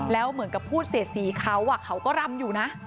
แล้วเหมือนกับพูดเสียสีเขาเขาก็รำอยู่นะ